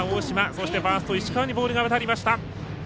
そしてファースト石川にボールが渡りました。